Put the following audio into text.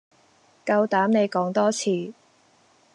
夠膽你講多次